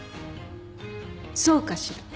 そうかしら。